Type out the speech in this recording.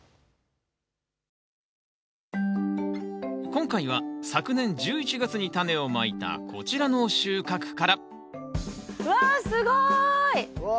今回は昨年１１月にタネをまいたこちらの収穫からわすごい！わ